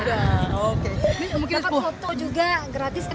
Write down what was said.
ini mungkin foto juga gratis kan